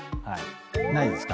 ないですか？